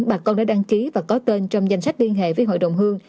bà con đã đăng ký và có tên trong danh sách liên hệ với hội đồng hương